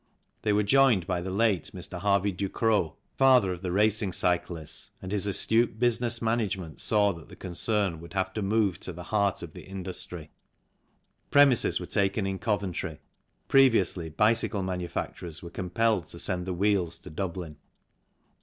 They were joined by the late Mr. Harvey Du Cros, father of the racing cyclists, and his astute business management saw that the concern would have to move to the heart of the industry. Premises were taken in Coventry ; previously bicycle manufacturers were compelled to send the wheels to Dublin.